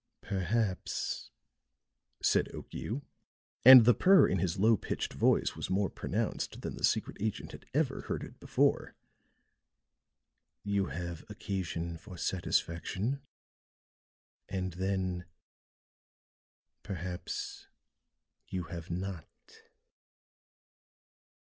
"Perhaps," said Okiu, and the purr in his low pitched voice was more pronounced than the secret agent had ever heard it before, "you have occasion for satisfaction; and then perhaps you have not."